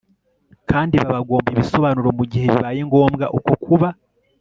kandi babagomba ibisobanuro mu gihe bibaye ngombwa. uko kuba